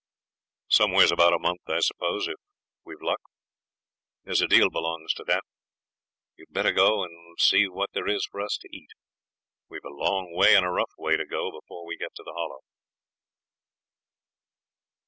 'Somewheres about a month, I suppose, if we've luck. There's a deal belongs to that. You'd better go and see what there is for us to eat. We've a long way and a rough way to go before we get to the Hollow.'